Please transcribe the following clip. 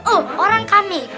oh orang kami